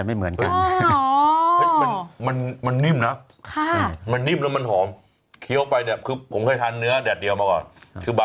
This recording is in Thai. มีแค้นลับพิเศษอะไรในการปรุงเมนูนี้ไหมคะ